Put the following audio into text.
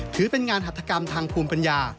ถือเป็นงานหัตถกรรมทางภูมิปัญญา